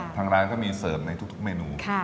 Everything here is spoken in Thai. ทางร้านก็มีเสริมในทุกเมนู